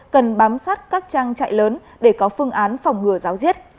cần bám sát các trang trại lớn để có phương án phòng ngừa giáo diết